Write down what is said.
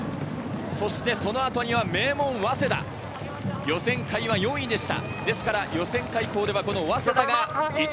そのあとに名門・早稲田、予選会は４位でした。